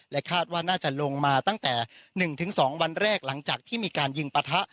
คาดว่าน่าจะลงมาตั้งแต่๑๒วันแรกหลังจากที่มีการยิงปะทะ